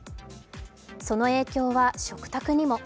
その影響は食卓にも。